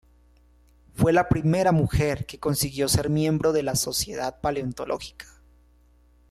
Fue la primera mujer que consiguió ser miembro de la Sociedad Paleontológica.